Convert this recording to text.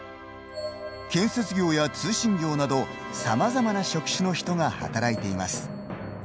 建設業や通信業など、さまざまな職種の人が働いています。